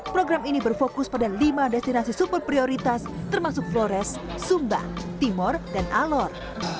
program ini berfokus pada lima destinasi super prioritas termasuk flores sumba timur dan alor